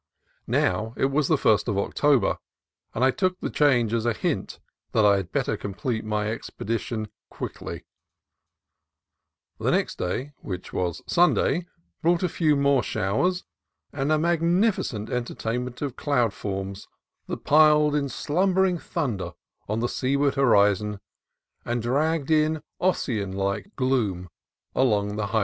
Now it was the first of October, and I took the change as a hint that I had better complete my expedition quickly. The next day. which was Sunday, brought a few more showers and a magnificent entertainment of BOLINAS LAGCX cloud forms that piled in slumbering tin seaward horizon and d' ; along the he